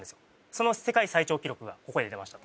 その世界最長記録がここで出ました